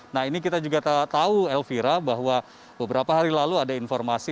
nah ini kita juga tahu elvira bahwa beberapa hari lalu ada informasi